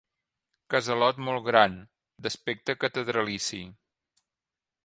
Casalot molt gran, d'aspecte catedralici.